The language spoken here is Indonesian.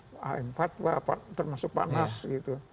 pak haemfat termasuk pak nas gitu